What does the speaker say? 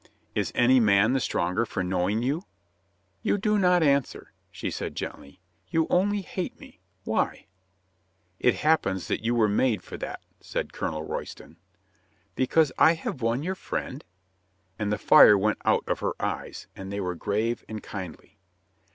"Is any man the stronger for knowing you?" "You do not answer," she said gently. "You only hate me. Why ?" "It happens that you were made for that," said Colonel Royston. "Because I have won your friend?" And the fire went out of her eyes, and they were grave and kindly.